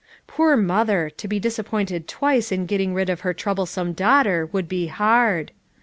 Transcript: Poor mother I to be dis appointed twice in getting rid of her trouble some daughter would be hard.